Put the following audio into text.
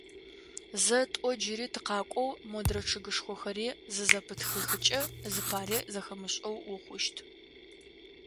Зэ, тӏо джыри тыкъакӏоу, модрэ чъыгышхохэри зызэпытхыхэкӏэ, зыпари зэхэмышӏэу ухъущт.